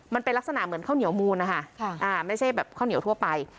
มันเป็นลักษณะเหมือนข้าวเหนียวมูลนะคะไม่ใช่แบบข้าวเหนียวทั่วไป